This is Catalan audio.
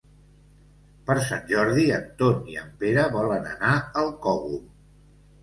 Per Sant Jordi en Ton i en Pere volen anar al Cogul.